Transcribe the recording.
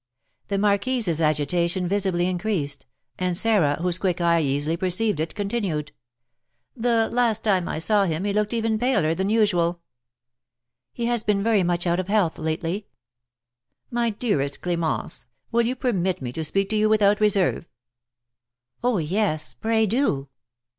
The marquise's agitation visibly increased; and Sarah, whose quick eye easily perceived it, continued: "The last time I saw him he looked even paler than usual." "He has been very much out of health lately." "My dearest Clémence, will you permit me to speak to you without reserve?" "Oh, yes, pray do!"